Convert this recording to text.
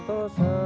terima kasih aja